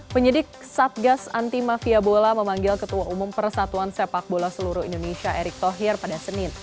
penyidik satgas anti mafia bola memanggil ketua umum persatuan sepak bola seluruh indonesia erick thohir pada senin